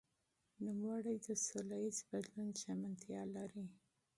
نوموړي د سولهییز بدلون ژمنتیا لري.